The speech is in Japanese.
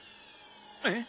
えっ？